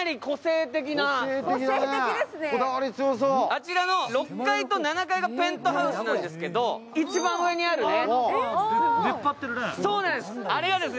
あちらの６階と７階がペントハウスなんですけど一番上にあるね。